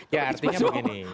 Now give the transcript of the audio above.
ya artinya begini